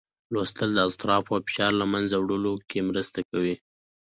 لوستل د اضطراب او فشار له منځه وړلو کې مرسته کوي